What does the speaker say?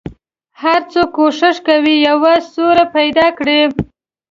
هر څوک کوښښ کوي یوه سوړه پیدا کړي.